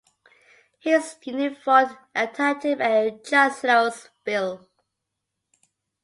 His unit fought at Antietam and Chancellorsville.